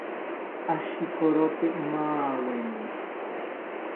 Ashikorote maaweni